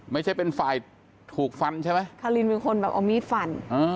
ไม่ใช่เป็นฝ่ายถูกฟันใช่ไหมคารินเป็นคนแบบเอามีดฟัน